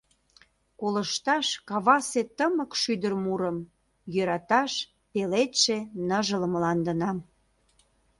Колышташ кавасе тымык шӱдыр мурым, Йӧраташ пеледше ныжыл мландынам.